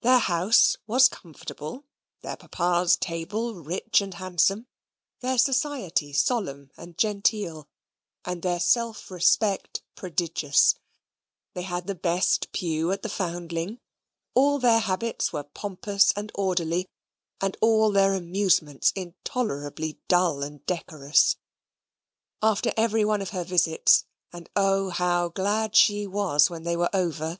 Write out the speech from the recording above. Their house was comfortable; their papa's table rich and handsome; their society solemn and genteel; their self respect prodigious; they had the best pew at the Foundling: all their habits were pompous and orderly, and all their amusements intolerably dull and decorous. After every one of her visits (and oh how glad she was when they were over!)